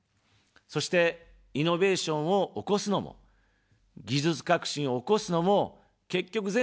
そして、イノベーションを起こすのも、技術革新を起こすのも、結局、全部、人なんです。